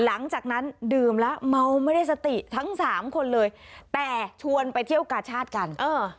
หลังจากนั้นดื่มแล้วเมาไม่ได้สติทั้งสามคนเลยแต่ชวนไปเที่ยวกาชาติกันเออ